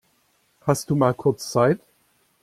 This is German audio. Hast du mal kurz Zeit?